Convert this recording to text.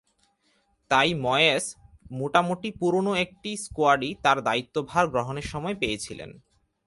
তাই ময়েস মোটামুটি পুরোনো একটা স্কোয়াডই তাঁর দায়িত্বভার গ্রহণের সময় পেয়েছিলেন।